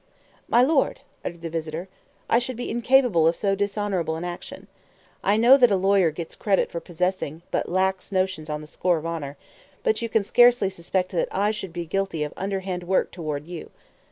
"My lord," uttered the visitor, "I should be incapable of so dishonorable an action. I know that a lawyer gets credit for possessing but lax notions on the score of honor, but you can scarcely suspect that I should be guilty of underhand work toward you.